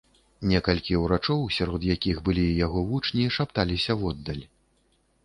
Некалькі ўрачоў, сярод якіх былі і яго вучні, шапталіся воддаль.